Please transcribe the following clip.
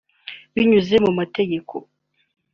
binyuze mu mategeko